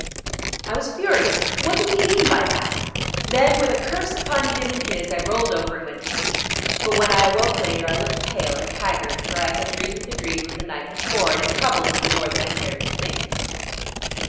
I was furious. What did he mean by that? Then with a curse upon him and his I rolled over and went to sleep, but when I awoke later I looked pale and haggard, for I had dreamed the dream of the night before, and it troubled me more than I cared to think.